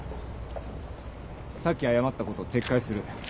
さっき謝ったこと撤回する。